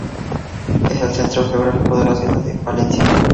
Es el centro geográfico de la ciudad de Palencia.